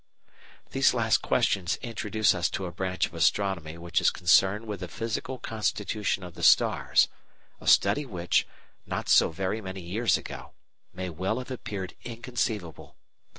These last questions introduce us to a branch of astronomy which is concerned with the physical constitution of the stars, a study which, not so very many years ago, may well have appeared inconceivable.